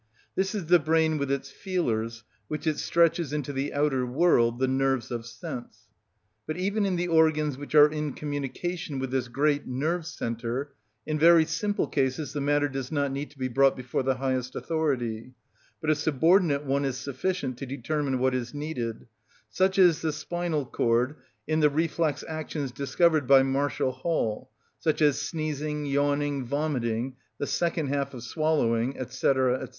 This is the brain with its feelers, which it stretches into the outer world, the nerves of sense. But even in the organs which are in communication with this great nerve centre, in very simple cases the matter does not need to be brought before the highest authority, but a subordinate one is sufficient to determine what is needed; such is the spinal cord, in the reflex actions discovered by Marshall Hall, such as sneezing, yawning, vomiting, the second half of swallowing, &c. &c.